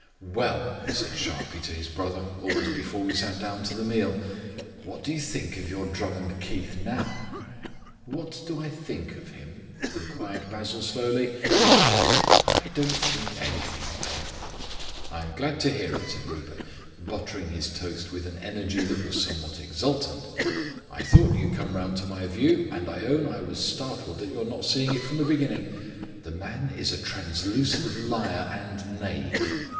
"Well," he said sharply to his brother almost before we sat down to the meal. "What do you think of your Drummond Keith now?" "What do I think of him?" inquired Basil slowly. "I don't think anything of him." "I'm glad to hear it," said Rupert, buttering his toast with an energy that was somewhat exultant. "I thought you'd come round to my view, but I own I was startled at your not seeing it from the beginning. The man is a translucent liar and knave."